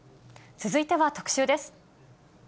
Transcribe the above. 続いては特集です。